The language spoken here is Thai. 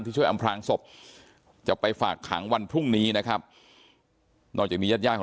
น้องจ้อยนั่งก้มหน้าไม่มีใครรู้ข่าวว่าน้องจ้อยเสียชีวิตไปแล้ว